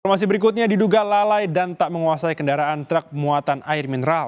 informasi berikutnya diduga lalai dan tak menguasai kendaraan truk muatan air mineral